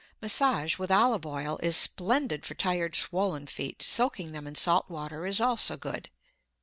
Massage with olive oil is splendid for tired swollen feet; soaking them in salt water is also good.